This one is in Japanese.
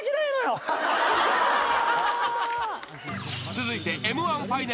［続いて］